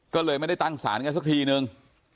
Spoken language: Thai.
ก็เลยไม่ได้ตั้งศาลกันสักทีนึง